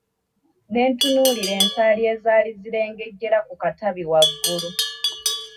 Netunuulira ensaali ezali zirengejera ku ttabi waggulu.